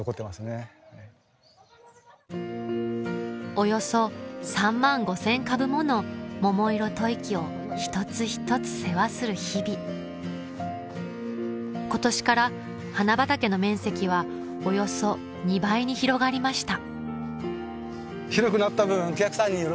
およそ３万５０００株もの桃色吐息を一つ一つ世話する日々今年から花畑の面積はおよそ２倍に広がりました